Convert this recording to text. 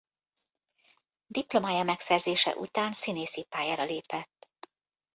Diplomája megszerzése után színészi pályára lépett.